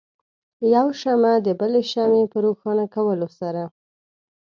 یو شمع د بلې شمعې په روښانه کولو سره.